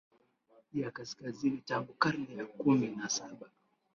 ya Kaskazini tangu karne ya kumi na Saba